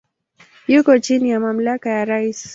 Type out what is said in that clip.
Yuko chini ya mamlaka ya rais.